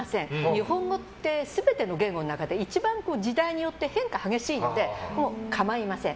日本語って全ての言語の中で一番時代によって変化が激しいので構いません。